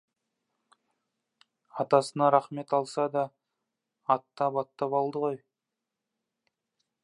«Атасына рақмет, алса да атап-атап алды ғой»!